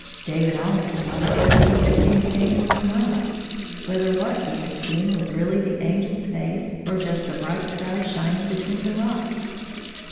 David ahnost won dered whether he had seen the Angel or not — whether what he had seen was really the AngeFs face or just the bright sky shining between the rocks.